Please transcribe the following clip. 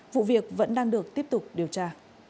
vụ việc vẫn đang được tiếp tục điều tra